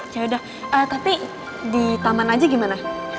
yaudah tapi di taman aja gimana